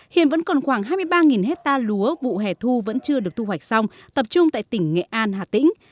hiện vẫn còn khoảng hai mươi ba hectare lúa vụ hẻ thu vẫn chưa được thu hoạch xong tập trung tại tỉnh nghệ an hà tĩnh